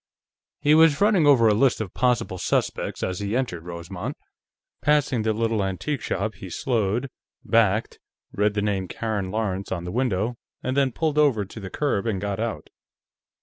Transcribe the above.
He was running over a list of possible suspects as he entered Rosemont. Passing the little antique shop he slowed, backed, read the name "Karen Lawrence" on the window, and then pulled over to the curb and got out.